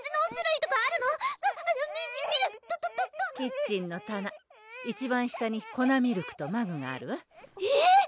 ど・ど・どキッチンの棚一番下に粉ミルクとマグがあるわえっ？